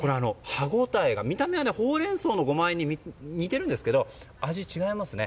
見た目はホウレンソウのゴマあえに似てるんですが味、違いますね。